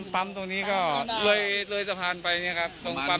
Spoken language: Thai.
ปั๊มตรงนี้ก็เลยสะพานไปเนี่ยครับ